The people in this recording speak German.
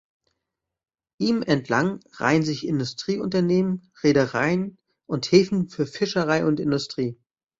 Ihm entlang reihen sich Industrieunternehmen, Reedereien und Häfen für Fischerei und Industrie.